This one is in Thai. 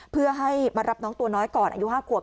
เพื่อให้มารับน้องตัวน้อยก่อนอายุ๕ขวบ